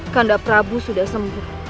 kanda prabu sudah sembuh